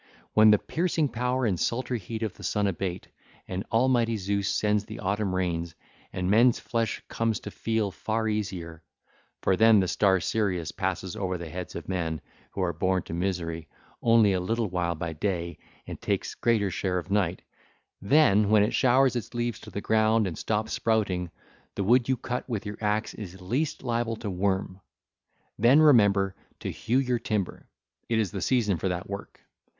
(ll. 414 447) When the piercing power and sultry heat of the sun abate, and almighty Zeus sends the autumn rains 1312, and men's flesh comes to feel far easier,—for then the star Sirius passes over the heads of men, who are born to misery, only a little while by day and takes greater share of night,—then, when it showers its leaves to the ground and stops sprouting, the wood you cut with your axe is least liable to worm. Then remember to hew your timber: it is the season for that work.